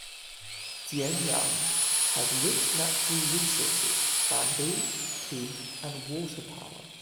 Jianyang has rich natural resources: bamboo, tea and water power.